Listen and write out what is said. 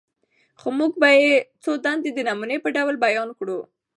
خو موږ به ئې څو دندي د نموني په ډول بيان کړو: